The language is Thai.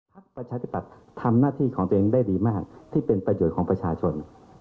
ประชาธิปัตย์ทำหน้าที่ของตัวเองได้ดีมากที่เป็นประโยชน์ของประชาชน